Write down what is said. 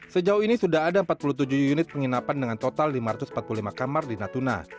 sejauh ini sudah ada empat puluh tujuh unit penginapan dengan total lima ratus empat puluh lima kamar di natuna